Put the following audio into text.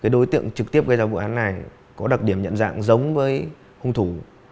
đối tượng trực tiếp gây ra vụ án này có đặc điểm nhận dạng giống với hung thủ